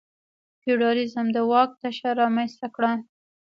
فیوډالېزم د واک تشه رامنځته کړه.